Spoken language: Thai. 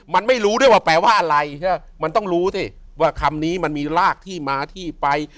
มันไม่รู้ด้วยแปลว่าอะไรมันต้องรู้เขาว่าคำนี้มีล่ากมามาที่ไป